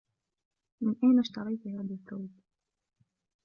من أين إشتريتِ هذا الثوب؟